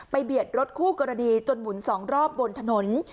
เบียดรถคู่กรณีจนหมุน๒รอบบนถนน